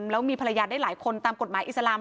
แล้วมีภรรยาได้หลายคนตามกฎหมายอิสลาม